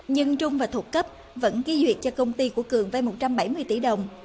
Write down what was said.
nhưng trung và thuộc cấp vẫn ký duyệt cho công ty của cường vay một trăm bảy mươi tỷ đồng